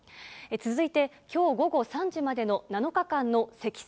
続いて、きょう午後３時までの７日間の積算